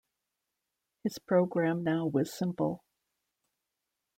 His program now was simple.